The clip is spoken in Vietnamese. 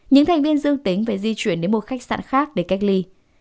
những thành viên dương tính phải di chuyển đến một khách sạn khác để cách ly